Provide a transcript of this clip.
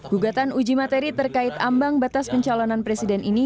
gugatan uji materi terkait ambang batas pencalonan presiden ini